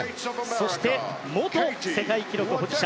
そして、元世界記録保持者